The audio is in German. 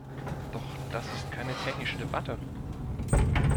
Doch das ist keine technische Debatte.